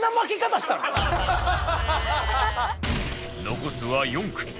残すは４組